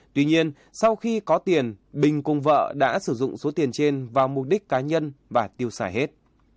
tuy nhiên sau khi có tiền bình cùng vợ đã sử dụng số tiền trên vào mục đích cá nhân và tiêu xài hết